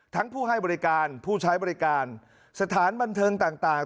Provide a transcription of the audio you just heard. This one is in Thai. ผู้ให้บริการผู้ใช้บริการสถานบันเทิงต่าง